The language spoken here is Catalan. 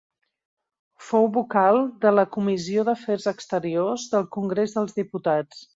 Fou vocal de la comissió d'afers exteriors del Congrés dels Diputats.